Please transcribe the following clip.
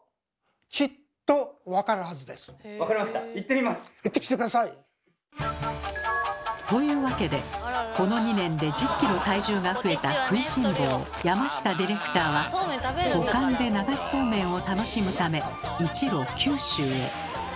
例えばですね行ってきて下さい！というわけでこの２年で１０ｋｇ体重が増えた食いしん坊山下ディレクターは五感で流しそうめんを楽しむため一路九州へ。